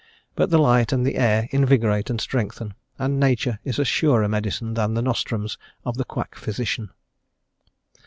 But the light and the air invigorate and strengthen, and nature is a surer medicine than the nostrums of the quack physician.